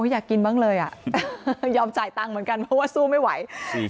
อยากกินบ้างเลยอ่ะยอมจ่ายตังค์เหมือนกันเพราะว่าสู้ไม่ไหวอืม